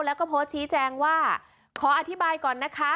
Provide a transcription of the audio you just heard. แล้วก็โพสต์ชี้แจงว่าขออธิบายก่อนนะคะ